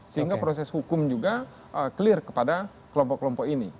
sehingga proses hukum juga clear kepada kelompok kelompok ini